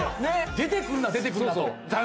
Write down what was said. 出てくるな出てくるなって。